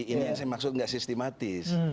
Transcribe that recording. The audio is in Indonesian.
ini yang saya maksud nggak sistematis